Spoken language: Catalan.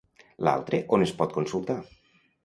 L'altre on es pot consultar?